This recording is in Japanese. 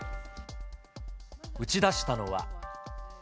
打ち出したのは。